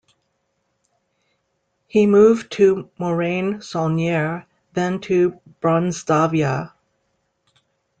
He moved to Morane-Saulnier then to Bronzavia.